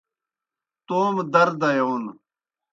توموْ در دیون